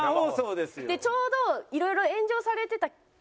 でちょうどいろいろ炎上されてたあとぐらい。